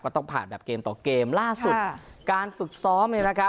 ต้องผ่านแบบเกมต่อเกมล่าสุดการฝึกซ้อม